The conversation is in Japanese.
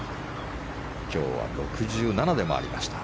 今日は６７で回りました。